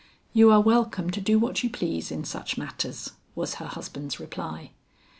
"You are welcome to do what you please in such matters," was her husband's reply.